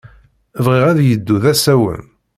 Bɣiɣ ad yeddu d asawen.